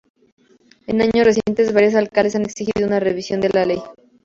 En años recientes, varios alcaldes han exigido una revisión de la ley.